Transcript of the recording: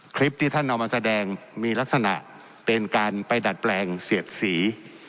คลิปที่ท่านเอามาแสดงมีลักษณะเป็นการไปดัดแปลงเสียดสี